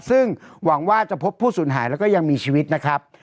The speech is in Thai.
ซึ่งหวังว่าจะพบผู้สูญหายแล้วก็ยังมีชีวิตนะครับ